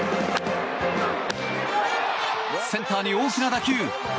センターに大きな打球。